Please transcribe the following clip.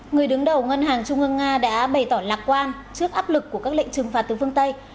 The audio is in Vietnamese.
người đứng đầu ngân hàng trung ương nga đã bày tỏ lạc quan trước áp lực của các lệnh trừng phạt từ phương tây